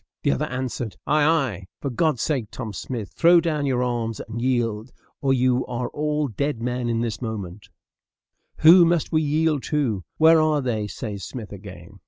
The other answered, "Ay, ay; for God's sake, Tom Smith, throw down your arms and yield, or you are all dead men this moment," "Who must we yield to? Where are they?" says Smith again.